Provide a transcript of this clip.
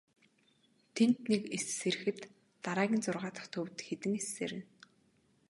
Тэнд нэг эс сэрэхэд дараагийн зургаа дахь төвд хэдэн эс сэрнэ.